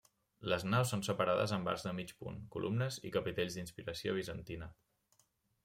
Les naus són separades amb arcs de mig punt, columnes i capitells d'inspiració bizantina.